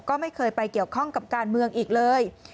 ก็ไม่เคยไปเกี่ยวข้องกับการเมืองอีกเลย